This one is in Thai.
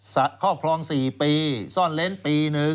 ครอบครอง๔ปีซ่อนเล้นปี๑